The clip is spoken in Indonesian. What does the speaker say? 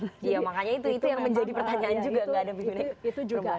iya makanya itu yang menjadi pertanyaan juga nggak ada pimpinan